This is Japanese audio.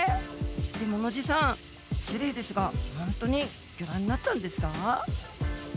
でも野地さん失礼ですがほんとにギョ覧になったんですか？